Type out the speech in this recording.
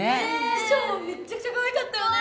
衣装もめっちゃくちゃかわいかったよね